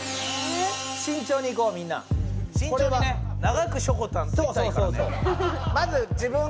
慎重にいこうみんな慎重にね長くしょこたんといたいからね